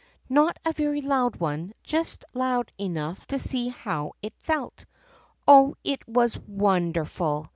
— not a very loud one, just loud enough to see how it felt. Oh, it was wonderful!